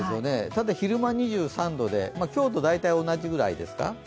ただ昼間２３度で今日と大体同じくらいですか。